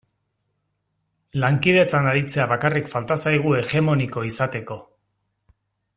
Lankidetzan aritzea bakarrik falta zaigu hegemoniko izateko.